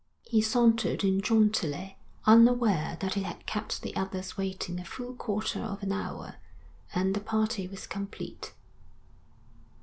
He sauntered in jauntily, unaware that he had kept the others waiting a full quarter of an hour; and the party was complete.